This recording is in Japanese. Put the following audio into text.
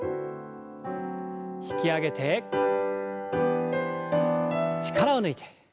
引き上げて力を抜いて。